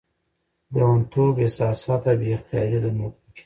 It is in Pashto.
لېونتوب، احساسات او بې اختياري ده پکې